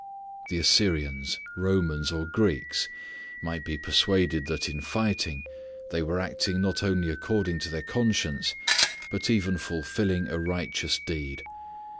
The Assyrians, Romans, or Greeks might be persuaded that in fighting they were acting not only according to their conscience, but even fulfilling a righteous deed.